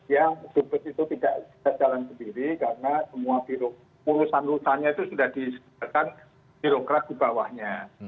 ya dubes itu tidak bisa jalan sendiri karena semua urusan urusannya itu sudah disediakan birokrat di bawahnya